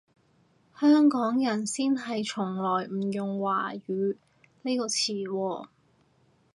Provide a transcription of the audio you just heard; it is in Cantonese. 香港人先係從來唔用華語呢個詞喎